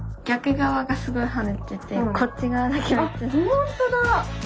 本当だ。